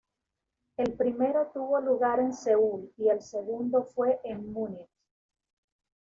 El primero tuvo lugar en Seúl, y el segundo fue en Múnich.